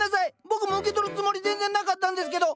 僕も受け取るつもり全然なかったんですけど。